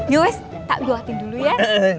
yowes tak gua latihan dulu ya